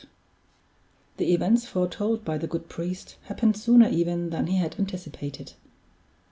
The events foretold by the good priest happened sooner even than he had anticipated.